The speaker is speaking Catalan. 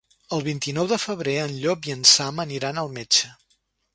El vint-i-nou de febrer en Llop i en Sam aniran al metge.